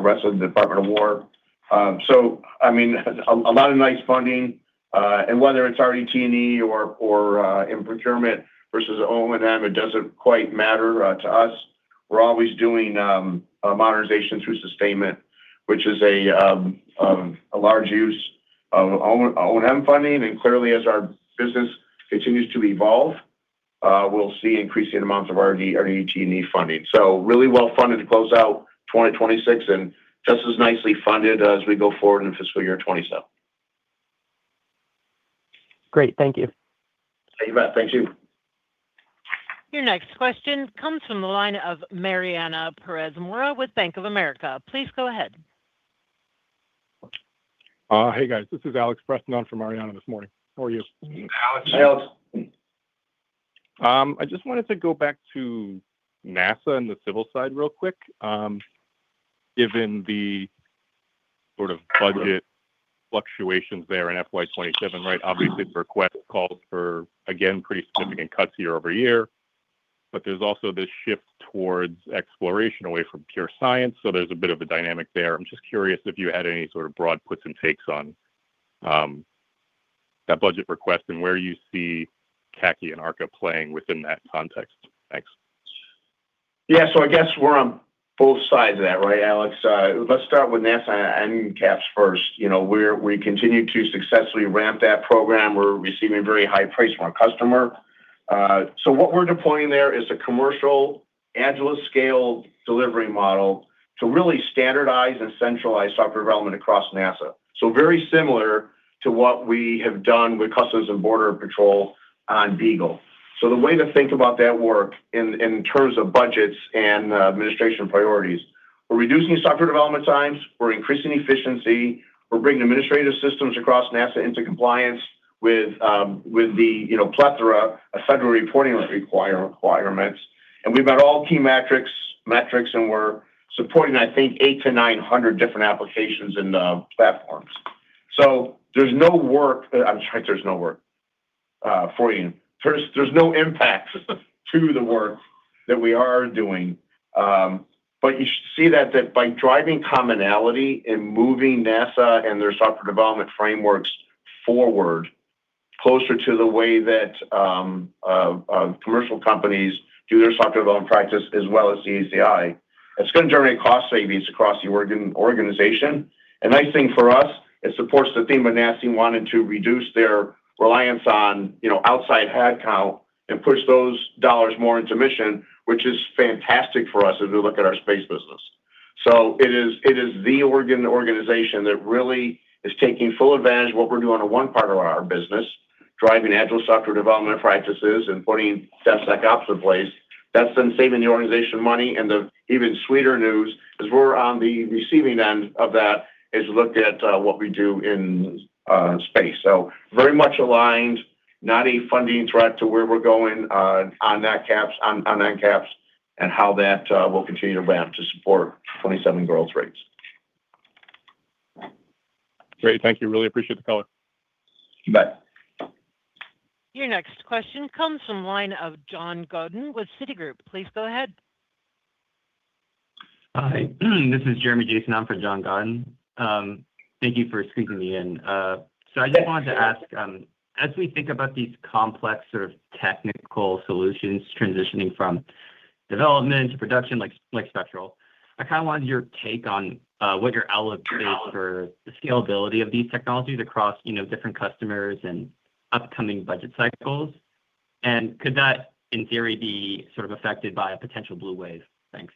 rest of the Department of War. A lot of nice funding. Whether it's RDT&E or in procurement versus O&M, it doesn't quite matter to us. We're always doing modernization through sustainment, which is a large use of O&M funding. Clearly, as our business continues to evolve, we'll see increasing amounts of RDT&E funding. Really well-funded to close out 2026, and just as nicely funded as we go forward into fiscal year 2027. Great. Thank you. You bet. Thank you. Your next question comes from the line of Mariana Perez Mora with Bank of America. Please go ahead. Hey, guys. This is Alex Preston on for Mariana this morning. How are you? Alex, how are you? I just wanted to go back to NASA and the civil side real quick. Given the sort of budget fluctuations there in FY 2027, right? Obviously, the request calls for, again, pretty significant cuts year over year. There's also this shift towards exploration away from pure science. There's a bit of a dynamic there. I'm just curious if you had any sort of broad puts and takes on that budget request and where you see CACI and ARKA playing within that context. Thanks. Yeah. I guess we're on both sides of that, right, Alex? Let's start with NASA NCAPS first. We continue to successfully ramp that program. We're receiving very high praise from our customer. What we're deploying there is a commercial agile scale delivery model to really standardize and centralize software development across NASA. Very similar to what we have done with Customs and Border Patrol on BEAGLE. The way to think about that work in terms of budgets and administration priorities, we're reducing software development times, we're increasing efficiency. We're bringing administrative systems across NASA into compliance with the plethora of federal reporting requirements. We've got all key metrics, and we're supporting, I think, 800-900 different applications in the platforms. There's no work. I'm sorry, there's no work for you. There's no impact to the work that we are doing. You should see that by driving commonality and moving NASA and their software development frameworks forward, closer to the way that commercial companies do their software development practice, as well as DCI, it's going to generate cost savings across the organization. A nice thing for us, it supports the theme of NASA wanting to reduce their reliance on outside headcount and push those dollars more into mission, which is fantastic for us as we look at our space business. It is the organization that really is taking full advantage of what we're doing on one part of our business, driving agile software development practices and putting DevSecOps in place. That's been saving the organization money, and the even sweeter news is we're on the receiving end of that. Look at what we do in space. Very much aligned, not a funding threat to where we're going on NCAPS, and how that will continue to ramp to support 2027 growth rates. Great. Thank you. Really appreciate the color. You bet. Your next question comes from the line of John Godin with Citigroup. Please go ahead. Hi, this is Jeremy Jason on for John Godin. Thank you for squeezing me in. Yeah. I just wanted to ask, as we think about these complex sort of technical solutions transitioning from development to production, like Spectral, I kind of wanted your take on what your outlook is for the scalability of these technologies across different customers and upcoming budget cycles. Could that, in theory, be sort of affected by a potential blue wave? Thanks.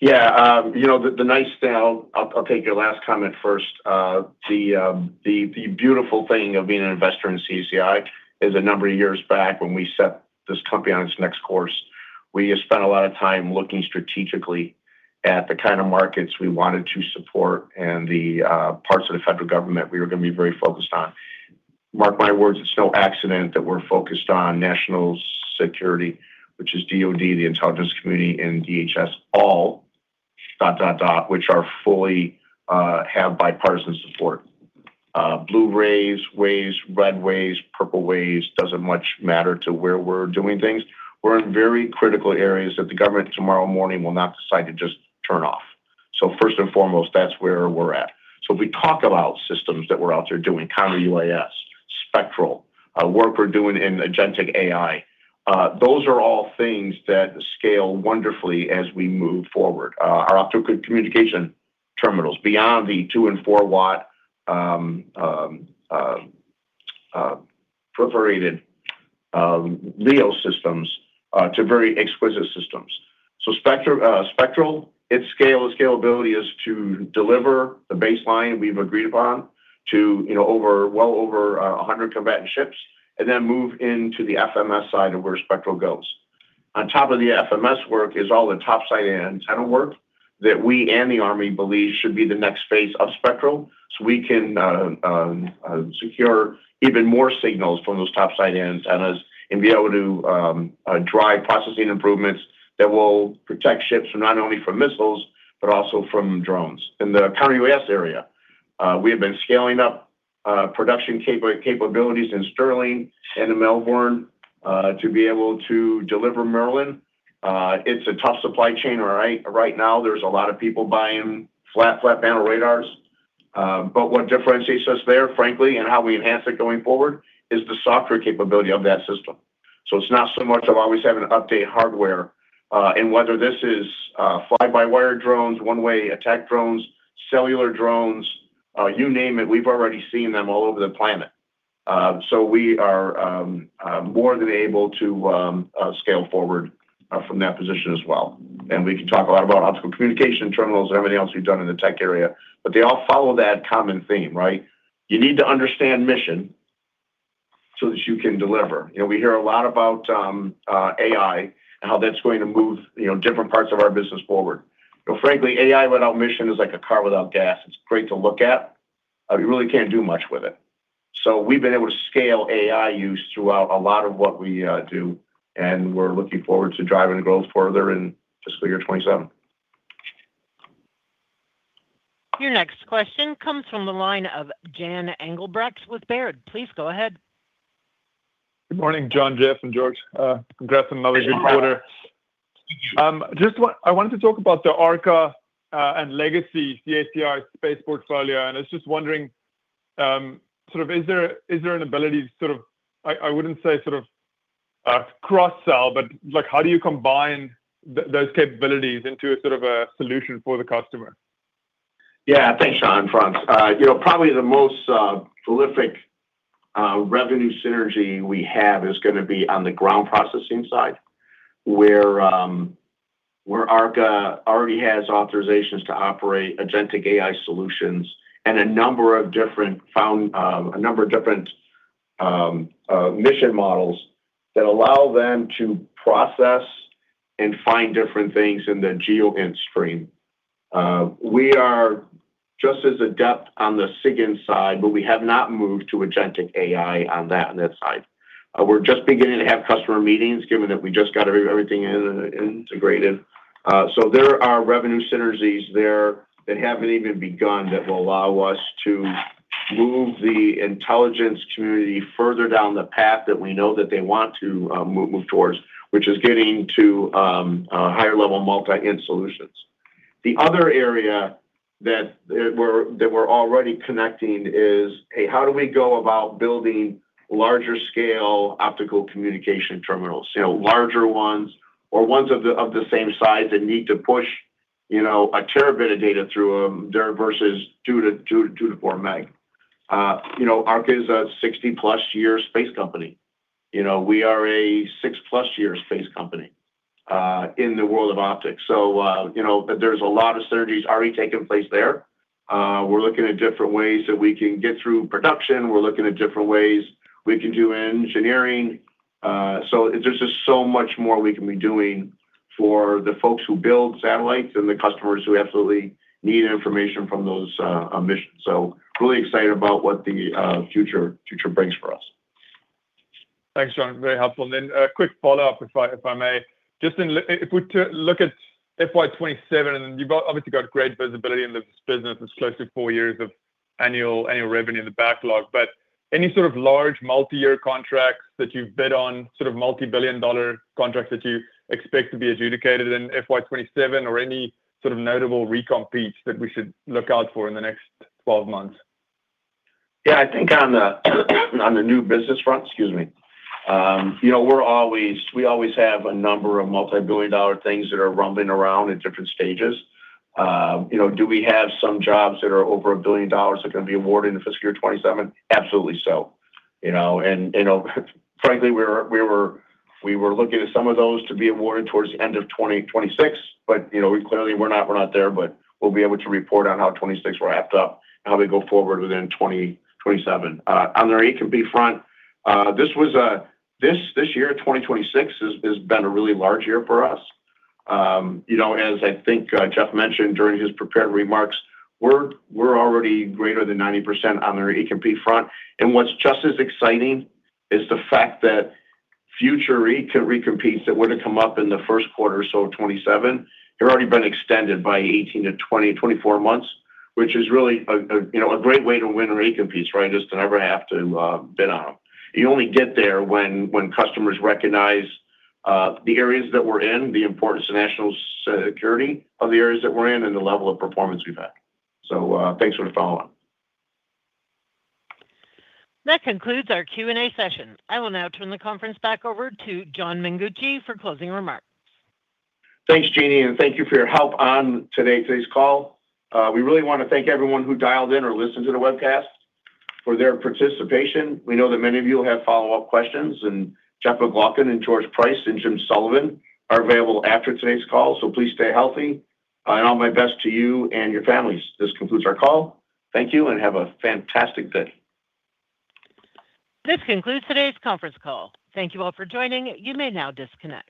Yeah. I'll take your last comment first. The beautiful thing of being an investor in CACI is a number of years back when we set this company on its next course, we spent a lot of time looking strategically at the kind of markets we wanted to support and the parts of the federal government we were going to be very focused on. Mark my words, it's no accident that we're focused on national security, which is DoD, the intelligence community, and DHS, all, which fully have bipartisan support. Blue waves, red waves, purple waves, doesn't much matter to where we're doing things. We're in very critical areas that the government tomorrow morning will not decide to just turn off. First and foremost, that's where we're at. We talk about systems that we're out there doing, Counter-UAS, Spectral, work we're doing in agentic AI. Those are all things that scale wonderfully as we move forward. Our optical communication terminals, beyond the 2- and 4-watt perforated LEO systems to very exquisite systems. Spectral, its scalability is to deliver the baseline we've agreed upon to well over 100 combatant ships, and then move into the FMS side of where Spectral goes. On top of the FMS work is all the top side antenna work that we and the Army believe should be the next phase of Spectral, so we can secure even more signals from those top side antennas and be able to drive processing improvements that will protect ships from not only missiles, but also from drones. In the Counter-UAS area, we have been scaling up production capabilities in Sterling and in Melbourne to be able to deliver Merlin. It's a tough supply chain right now. There's a lot of people buying flat panel radars. What differentiates us there, frankly, and how we enhance it going forward is the software capability of that system. It's not so much of always having to update hardware, and whether this is fly-by-wire drones, one-way attack drones, cellular drones, you name it, we've already seen them all over the planet. We are more than able to scale forward from that position as well. We can talk a lot about optical communication terminals and everything else we've done in the tech area, but they all follow that common theme, right? You need to understand mission so that you can deliver. We hear a lot about AI and how that's going to move different parts of our business forward. Frankly, AI without mission is like a car without gas. It's great to look at, but you really can't do much with it. We've been able to scale AI use throughout a lot of what we do, and we're looking forward to driving growth further in fiscal year 2027. Your next question comes from the line of Jan Engelbrecht with Baird. Please go ahead. Good morning, John, Jeff, and George. Congrats on another good quarter. Thank you. I wanted to talk about the ARKA and legacy CACI space portfolio, and I was just wondering, is there an ability to sort of, I wouldn't say cross-sell, but how do you combine those capabilities into a solution for the customer? Yeah. Thanks, Jan. Probably the most prolific revenue synergy we have is going to be on the ground processing side, where ARKA already has authorizations to operate agentic AI solutions and a number of different mission models that allow them to process and find different things in the GEOINT stream. We are just as adept on the SIGINT side, but we have not moved to agentic AI on that side. We're just beginning to have customer meetings, given that we just got everything integrated. There are revenue synergies there that haven't even begun that will allow us to move the intelligence community further down the path that we know that they want to move towards, which is getting to higher level multi-int solutions. The other area that we're already connecting is, hey, how do we go about building larger scale optical communication terminals? Larger ones or ones of the same size that need to push a terabit of data through them versus 2 meg-4 meg. ARKA is a 60+ year space company. We are a 6+ year space company in the world of optics. There's a lot of synergies already taking place there. We're looking at different ways that we can get through production. We're looking at different ways we can do engineering. There's just so much more we can be doing for the folks who build satellites and the customers who absolutely need information from those missions. Really excited about what the future brings for us. Thanks, John. Very helpful. A quick follow-up if I may. If we look at FY 2027, and you've obviously got great visibility in this business. It's close to four years of annual revenue in the backlog. Any sort of large multi-year contracts that you've bid on, sort of multi-billion dollar contracts that you expect to be adjudicated in FY 2027 or any sort of notable recompetes that we should look out for in the next 12 months? Yeah, I think on the new business front, excuse me, we always have a number of multi-billion dollar things that are rumbling around at different stages. Do we have some jobs that are over $1 billion that are going to be awarded in FY 2027? Absolutely so. Frankly, we were looking at some of those to be awarded towards the end of 2026. We clearly are not there, but we'll be able to report on how 2026 wrapped up and how they go forward within 2027. On the ECP front, this year, 2026, has been a really large year for us. As I think Jeff mentioned during his prepared remarks, we're already greater than 90% on our ECP front. What's just as exciting is the fact that future recompetes that were to come up in the first quarter or so of 2027, they've already been extended by 18-24 months, which is really a great way to win an ECPs. Just to never have to bid on them. You only get there when customers recognize the areas that we're in, the importance to national security of the areas that we're in, and the level of performance we've had. Thanks for the follow-up. That concludes our Q&A session. I will now turn the conference back over to John Mengucci for closing remarks. Thanks, Jeannie, and thank you for your help on today's call. We really want to thank everyone who dialed in or listened to the webcast for their participation. We know that many of you will have follow-up questions, and Jeff MacLauchlan and George Price and Jim Sullivan are available after today's call, so please stay healthy. All my best to you and your families. This concludes our call. Thank you and have a fantastic day. This concludes today's conference call. Thank you all for joining. You may now disconnect.